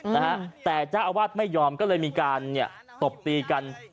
นะฮะแต่เจ้าอาวาสไม่ยอมก็เลยมีการเนี่ยตบตีกัน